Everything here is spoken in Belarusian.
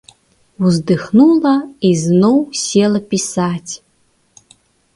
Уздыхнула і зноў села пісаць.